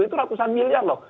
itu ratusan miliar loh